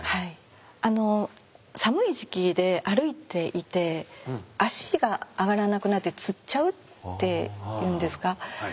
あの寒い時期で歩いていて足が上がらなくなってつっちゃうっていうんですか？